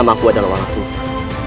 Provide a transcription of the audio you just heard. nama aku adalah wala susu